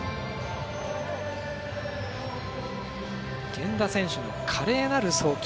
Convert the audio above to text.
源田選手の華麗なる送球！